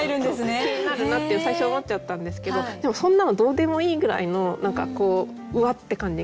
気になるなって最初思っちゃったんですけどでもそんなのどうでもいいぐらいの何かこううわって感じが。